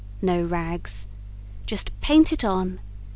No rags. JUST PAINT IT ON.